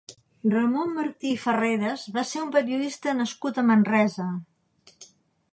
Ramon Martí i Farreras va ser un periodista nascut a Manresa.